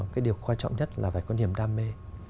cái điều quan trọng nhất là phải có niềm đam mê